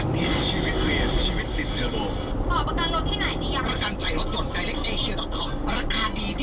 ทันทีชีวิตเวียนชีวิตติดเจอโลกต่อประกันรถที่ไหนดี